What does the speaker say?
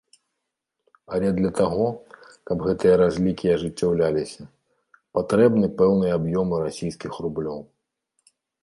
Але для таго, каб гэтыя разлікі ажыццяўляліся, патрэбны пэўныя аб'ёмы расійскіх рублёў.